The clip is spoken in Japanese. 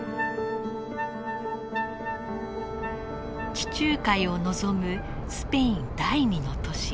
地中海を望むスペイン第二の都市